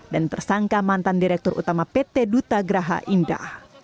dan tersangka mantan direktur utama pt duta graha indah